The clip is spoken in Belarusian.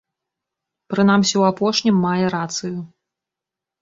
Прынамсі ў апошнім мае рацыю.